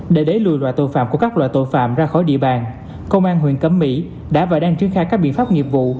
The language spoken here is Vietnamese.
để đẩy lùi loại tội phạm của các loại tội phạm ra khỏi địa bàn công an huyện cẩm mỹ đã và đang triển khai các biện pháp nghiệp vụ